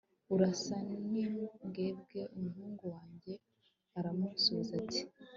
arasa n'imbwebwe umuhungu wanjye, aramusubiza ati